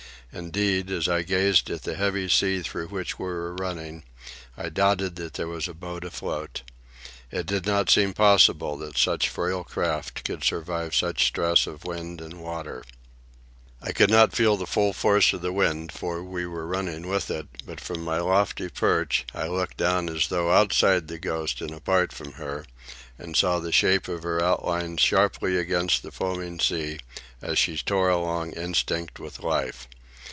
Indeed, as I gazed at the heavy sea through which we were running, I doubted that there was a boat afloat. It did not seem possible that such frail craft could survive such stress of wind and water. I could not feel the full force of the wind, for we were running with it; but from my lofty perch I looked down as though outside the Ghost and apart from her, and saw the shape of her outlined sharply against the foaming sea as she tore along instinct with life.